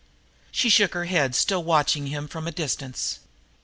She shook her head, still watching him as from a distance.